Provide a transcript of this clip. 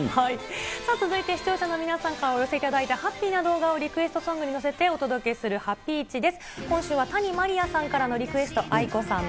続いて視聴者の皆さんからお寄せいただいた、ハッピーな動画をリクエスト動画に乗せてお届けする、ハピイチです。